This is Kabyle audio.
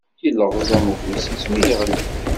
Yelleɣẓam ufus-is mi yeɣli.